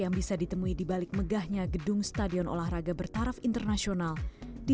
yang bisa ditemui di balik megahnya gedung stadion olahraga bertaraf internasional di